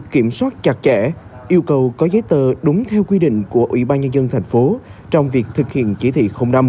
kiểm soát chặt chẽ yêu cầu có giấy tờ đúng theo quy định của ủy ban nhân dân thành phố trong việc thực hiện chỉ thị năm